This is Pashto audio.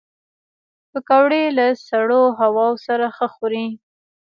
پکورې له سړو هواوو سره ښه خوري